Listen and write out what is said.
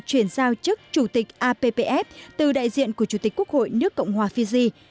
chuyển giao chức chủ tịch appf từ đại diện của chủ tịch quốc hội nước cộng hòa fiji